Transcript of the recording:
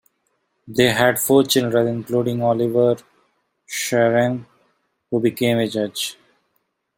They had four children, including Oliver Schreiner, who became a judge.